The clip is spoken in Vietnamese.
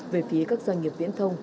về phía các doanh nghiệp viễn thông